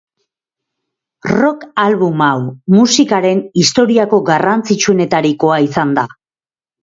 Rock album hau musikaren historiako garrantzitsuenetarikoa izan da.